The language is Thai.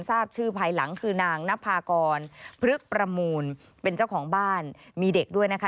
ทราบชื่อภายหลังคือนางนภากรพฤกษประมูลเป็นเจ้าของบ้านมีเด็กด้วยนะคะ